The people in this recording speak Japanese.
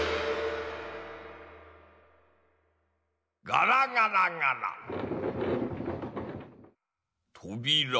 ガラガラガラ。